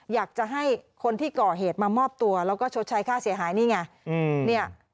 อยากจะให้คนที่ก่อเหตุมามอบตัวแล้วก็ชดใช้ค่าเสียหายนี่ไง